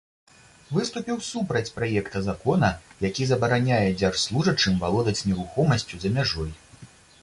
Выступіў супраць праекта закона, які забараняе дзяржслужачым валодаць нерухомасцю за мяжой.